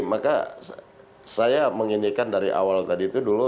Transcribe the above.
maka saya menginikan dari awal tadi itu dulu